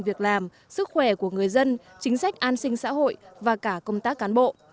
việc làm sức khỏe của người dân chính sách an sinh xã hội và cả công tác cán bộ